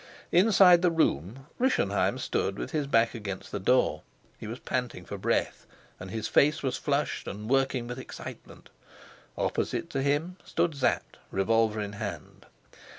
Inside the room, Rischenheim stood with his back against the door. He was panting for breath, and his face was flushed and working with excitement. Opposite to him stood Sapt, revolver in hand.